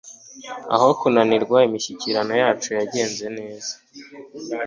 Aho kunanirwa imishyikirano yacu yagenze neza